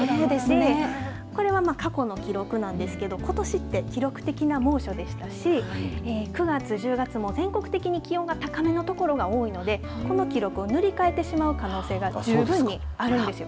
これは過去の記録なんですけれどもことしって記録的な猛暑でしたし９月、１０月も全国的に気温が高めのところが多いのでこの記録を塗り替えてしまう可能性が十分にあるんですよ。